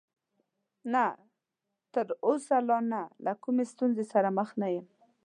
نه، تر اوسه لا نه، له کومې ستونزې سره مخ نه یم.